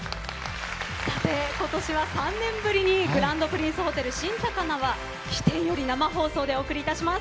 さて、今年は３年ぶりにグランドプリンスホテル新高輪飛天より生放送でお送りいたします。